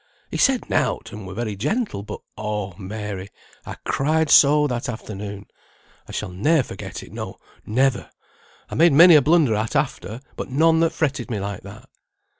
He said nought, and were very gentle; but, oh, Mary, I cried so that afternoon. I shall ne'er forget it; no, never. I made many a blunder at after, but none that fretted me like that."